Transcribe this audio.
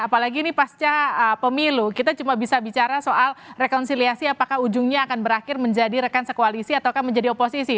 apalagi ini pasca pemilu kita cuma bisa bicara soal rekonsiliasi apakah ujungnya akan berakhir menjadi rekan sekoalisi ataukah menjadi oposisi